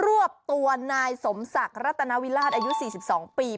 รวบตัวนายสมศักดิ์รัตนาวิราชอายุ๔๒ปี